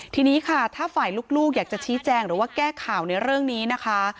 ทีนี้ค่ะถ้าฝ่ายลูกอยากจะชี้แจงหรือว่าแก้ข่าวในเรื่องนี้นะคะ